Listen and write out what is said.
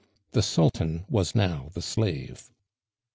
The sultan was now the slave.